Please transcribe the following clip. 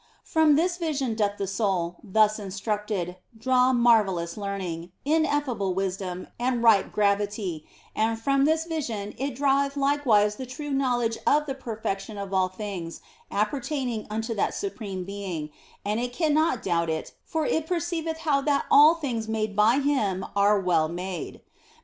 From this vision doth the soul, thus instructed, draw marvellous learning, ineffable wisdom, and ripe gravity, and from this vision it draweth likewise the true know ledge of the perfection of all things appertaining unto that Supreme Being ; and it cannot doubt it, for it per ceiveth how that all things made by Him are well made.